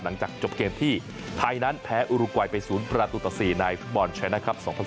หลังจากจบเกมที่ไทยนั้นแพ้อุรกวัยไปศูนย์ประตูตสี่ในฟุตบอลเชนนะครับ